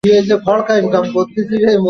বললেন, আলহামদুলিল্লাহ, আল্লাহর হাজার শুকরিয়া।